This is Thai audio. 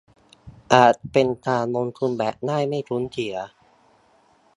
อาจเป็นการลงทุนแบบได้ไม่คุ้มเสีย